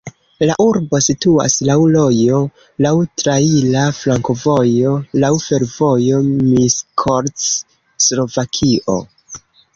La urbo situas laŭ rojo, laŭ traira flankovojo, laŭ fervojo Miskolc-Slovakio.